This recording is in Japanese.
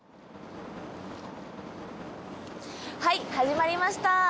はい始まりました。